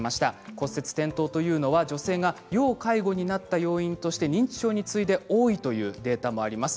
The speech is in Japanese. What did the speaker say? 骨折、転倒というのは女性が要介護になった要因として認知症に次いで多いというデータもあります。